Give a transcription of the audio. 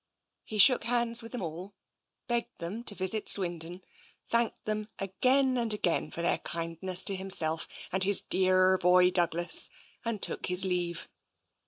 He shook hands with them all, begged them to visit Swindon, thanked them again and again for their kindness to himself and his dearr boy Douglas, and took his leave.